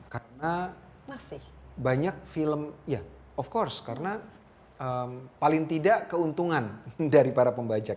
karena banyak film ya tentu saja karena paling tidak keuntungan dari para pembajak